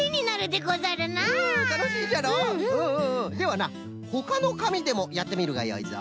ではなほかのかみでもやってみるがよいぞ。